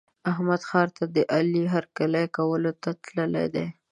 احمد ښار ته د علي هرکلي کولو ته تللی دی.